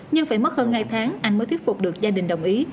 nhưng phải mất hơn hai tháng anh mới thuyết phục được gia đình đồng ý